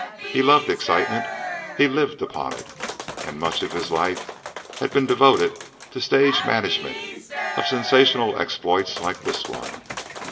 He loved excitement, he lived upon it, and much of his life had been devoted to the stage management of sensational exploits like this one.